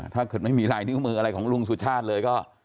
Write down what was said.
ถ้าเกิดไม่มีลายนิ้วมืออะไรของลุงสุชาติเลยก็